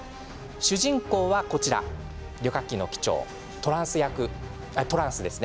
主人公は旅客機の機長トランスです。